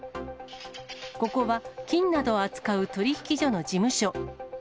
ここは金などを扱う取引所の事務所。